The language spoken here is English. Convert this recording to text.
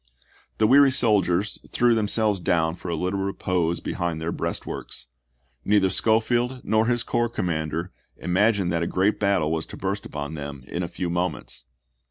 The weary soldiers threw themselves ibid., p. 86. down for a little repose behind their breastworks ; neither Schofield nor his corps commanders im agined that a great battle was to burst upon them in a few moments.